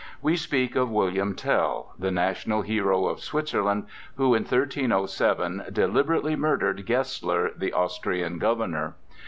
We speak of William Tell, the national hero of Switzerland, who in 1307 deliberately murdered Gessler, the Austrian governor.